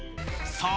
さあ。